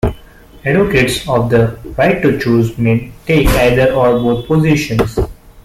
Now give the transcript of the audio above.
Advocates of the "right to choose" may take either or both positions.